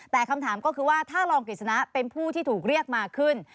แต่คำถามก็คือว่าถ้ารองกฤษณะเป็นผู้ที่ถูกเรียกมาขึ้น